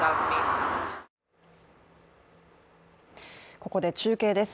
ここで中継です。